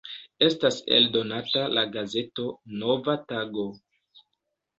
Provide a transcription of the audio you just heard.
Estas eldonata la gazeto "Nova tago".